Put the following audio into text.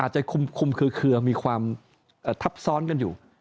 อาจจะคุมเครือเคียวมีความทับซ้อนกันอยู่